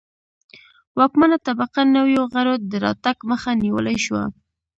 واکمنه طبقه نویو غړو د راتګ مخه نیولای شوه